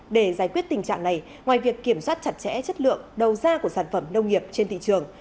để giải quyết tình trạng này ngoài việc kiểm soát chặt chẽ chất lượng đầu ra của sản phẩm nông nghiệp trên thị trường